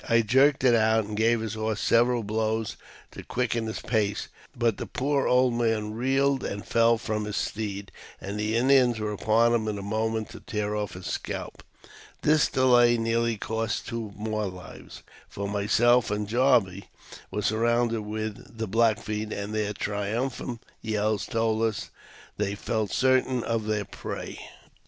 I jerked it out, and gave his horse several blows to quicken his pace ; but the poor old man reeled and fell from his steed, and the Indians were upon him in a moment to tear off his scalp. This delay nearly cost two more lives, for myself 102 AUTOBIOGBAPHY OF and Jarvey were surroui)ded with the Black Feet, and their triumphant yells told us they felt certain of their prey.